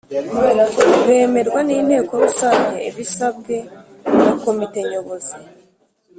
Bemerwa n’inteko rusange ibisabwe na komite nyobozi